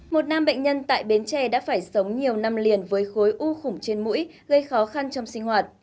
một nam bệnh nhân tại bến tre đã phải sống nhiều năm liền với khối u khủng trên mũi gây khó khăn trong sinh hoạt